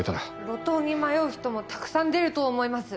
路頭に迷う人もたくさん出ると思います。